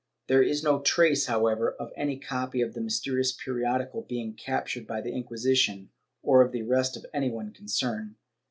There is no trace, however, of any copy of the mysterious periodical being captured by the Inquisition, or of the arrest of any one concerned.